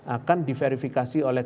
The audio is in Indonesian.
akan diverifikasi oleh